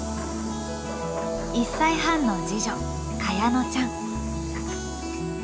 １歳半の次女香乃ちゃん。